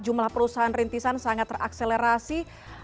jumlah perusahaan rintisan sangat terakselerasi